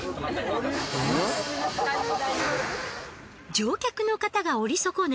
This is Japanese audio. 乗客の方が降り損ね